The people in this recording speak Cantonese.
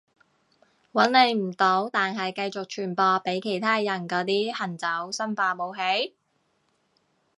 搵你唔到但係繼續傳播畀其他人嗰啲行走生化武器？